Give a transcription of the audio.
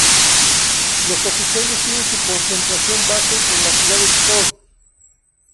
Los oficiales tienen su concentración base en la ciudad de Chicago.